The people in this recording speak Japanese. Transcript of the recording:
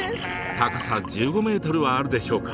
高さ１５ｍはあるでしょうか。